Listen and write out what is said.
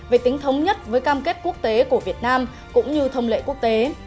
về tính thống nhất với cam kết quốc tế của việt nam cũng như thông lệ quốc tế